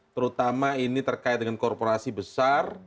terutama ini terkait dengan korporasi besar